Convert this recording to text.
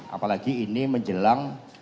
apalagi ini menjelang